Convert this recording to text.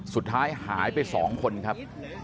สุดท้ายหายไป๒คนครับ